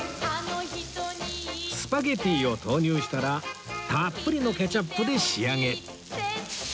スパゲティを投入したらたっぷりのケチャップで仕上げ